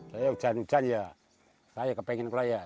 saya hujan hujan ya saya kepengen keluar ya